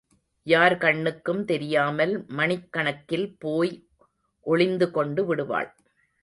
யார் கண்ணுக்கும் தெரியாமல் மணிக்கணக்கில் போய் ஒளிந்துகொண்டு விடுவாள்.